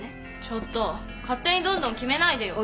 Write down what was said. ちょっと勝手にどんどん決めないでよ